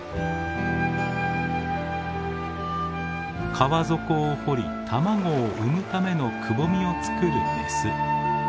川底を掘り卵を産むためのくぼみを作るメス。